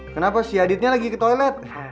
kenapa si aditnya lagi ke toilet